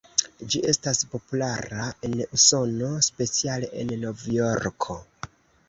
Ĝi estas populara en Usono, speciale en Novjorko.